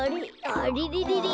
あれれれれ？